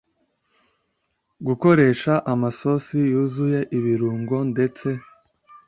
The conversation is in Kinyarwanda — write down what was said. gukoresha amasosi yuzuye ibirungo ndetse